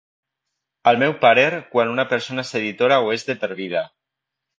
Al meu parer, quan una persona és editora ho és de per vida.